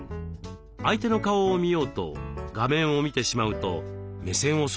相手の顔を見ようと画面を見てしまうと目線をそらしているように見えます。